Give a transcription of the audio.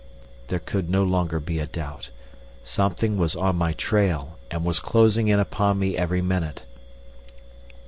There could no longer be a doubt. Something was on my trail, and was closing in upon me every minute.